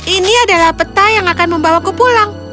ini adalah peta yang akan membawaku pulang